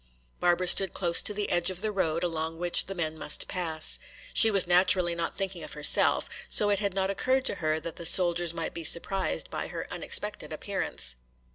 Barbara stood close to the edge of the road along which the men must pass. She was naturally not thinking of herself. So it had not occurred to her that the soldiers might be surprised by her unexpected appearance.